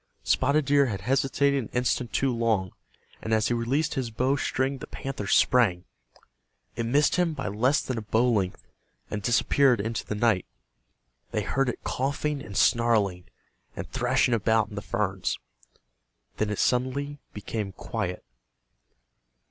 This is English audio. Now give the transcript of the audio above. Spotted Deer had hesitated an instant too long, and as he released his bow string the panther sprang. It missed him by less than a bow length, and disappeared into the night. They heard it coughing and snarling, and thrashing about in the ferns. Then it suddenly became quiet.